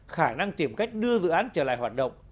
khả năng tìm cách đưa dự án trở lại hoạt động